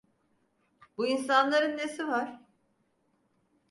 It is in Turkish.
Bu insanların nesi var?